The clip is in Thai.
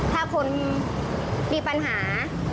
ถ้าคนมีปัญหา